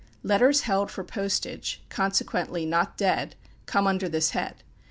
Letters held for postage consequently not "dead" come under this head.